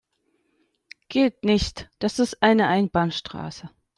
Geht nicht, das ist eine Einbahnstraße.